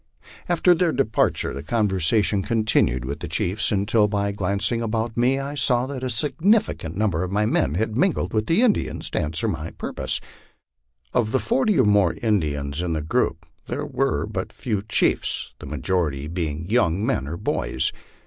After their departure the conversation continued with the chiefs until, by glancing about me, I saw that a sufficient number of my men had mingled with the Indians to answer my purpose. Of the forty or more Indians in tho group, there were but few chiefs, the majority being young men or boys.